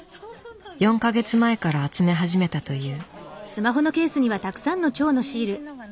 ４か月前から集め始めたという。